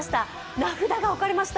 名札が置かれました。